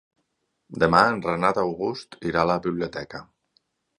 Demà en Renat August irà a la biblioteca.